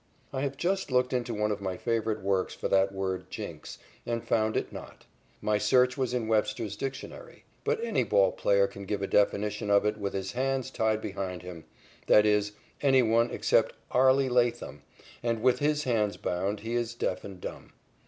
I have just looked into one of my favorite works for that word "jinx," and found it not. My search was in Webster's dictionary. But any ball player can give a definition of it with his hands tied behind him that is, any one except "Arlie" Latham, and, with his hands bound, he is deaf and dumb.